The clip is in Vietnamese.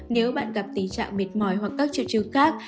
nếu bạn gặp tình trạng mệt mỏi hoặc các triệu chứng khác